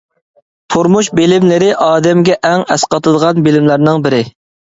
تۇرمۇش بىلىملىرى ئادەمگە ئەڭ ئەسقاتىدىغان بىلىملەرنىڭ بىرى.